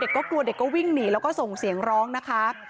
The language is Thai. กลัวเด็กก็วิ่งหนีแล้วก็ส่งเสียงร้องนะคะ